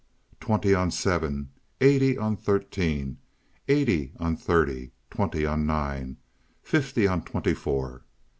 Twenty on seven. Eighty on thirteen. Eighty on thirty. Twenty on nine. Fifty on twenty four."